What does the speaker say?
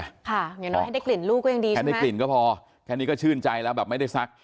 อย่างน้อยให้ได้กลิ่นลูกก็ยังดีแค่ได้กลิ่นก็พอแค่นี้ก็ชื่นใจแล้วแบบไม่ได้ซัก